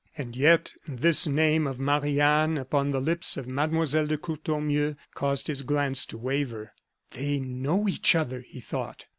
And yet, this name of Marie Anne upon the lips of Mlle. de Courtornieu, caused his glance to waver. "They know each other!" he thought.